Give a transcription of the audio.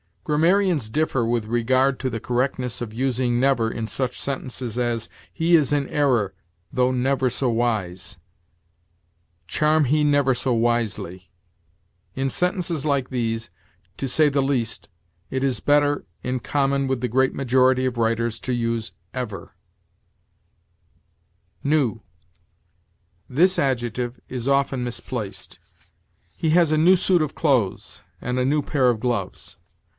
Grammarians differ with regard to the correctness of using never in such sentences as, "He is in error, though never so wise," "Charm he never so wisely." In sentences like these, to say the least, it is better, in common with the great majority of writers, to use ever. NEW. This adjective is often misplaced. "He has a new suit of clothes and a new pair of gloves."